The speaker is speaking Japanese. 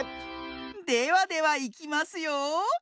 ではではいきますよ。